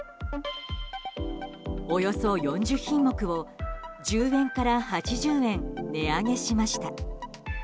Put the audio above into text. およそ４０品目を１０円から８０円値上げしました。